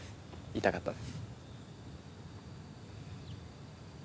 痛かったです。